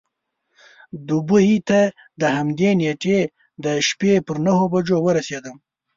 دوبۍ ته د همدې نېټې د شپې پر نهو بجو ورسېدم.